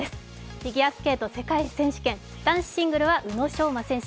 フィギュアスケート、世界選手権男子シングルは宇野昌磨選手。